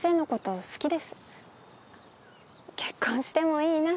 結婚してもいいなって。